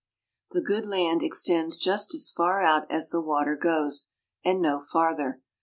The good land extends just as far out as the water goes, and no farther.